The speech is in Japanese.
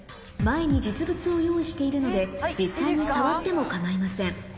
前に実物を用意しているので実際に触っても構いません